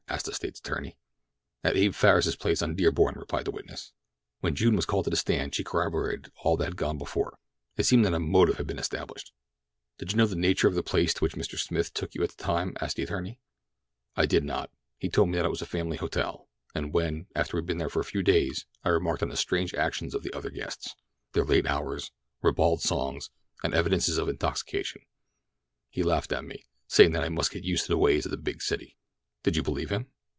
asked the State's attorney. "At Abe Farris's place on Dearborn," replied the witness. When June was called to the stand she corroborated all that had gone before. It seemed that a motive had been established. "Did you know the nature of the place to which Mr. Smith took you at the time?" asked her attorney. "I did not. He told me that it was a family hotel, and when, after we had been there a few days, I remarked on the strange actions of the other guests—their late hours, ribald songs, and evidences of intoxication, he laughed at me, saying that I must get used to the ways of a big city." "Did you believe him?"